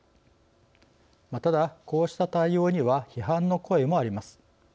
ただ、こうした対応には批判の声もあります。